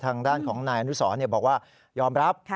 ทางด้านของนายอนุสรบอกว่ายอมรับ